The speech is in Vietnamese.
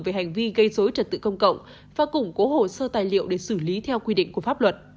về hành vi gây dối trật tự công cộng và củng cố hồ sơ tài liệu để xử lý theo quy định của pháp luật